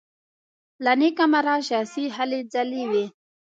له نېکه مرغه شخصي هلې ځلې وې.